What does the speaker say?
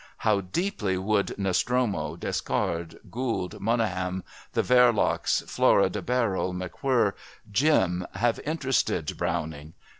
How deeply would Nostromo, Decoud, Gould, Monyngham, the Verlocs, Flora de Barrel, McWhirr, Jim have interested Browning!